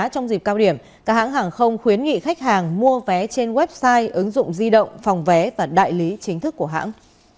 trong dịp cao điểm các hãng hàng không khuyến nghị khách hàng mua vé trên website ứng dụng di động phòng vé và đại lý chính thức của hãng